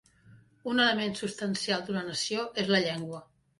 Un element substancial d'una nació és la llengua.